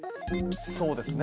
そうですね。